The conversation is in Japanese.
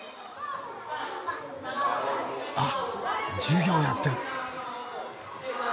あ授業やってる。